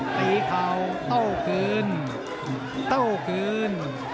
ตีเขาเต้าคืน